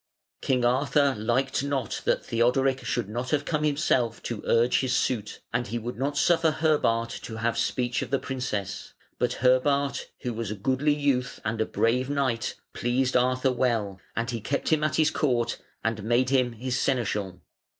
King Arthur liked not that Theodoric should not have come himself to urge his suit, and he would not suffer Herbart to have speech of the princess; but Herbart, who was a goodly youth and a brave knight, pleased Arthur well, and he kept him at his court and made him his seneschal.